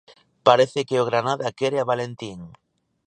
Parece que o Granada quere a Valentín.